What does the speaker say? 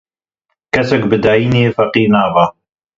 Kesek bi dayînê feqîr nabe.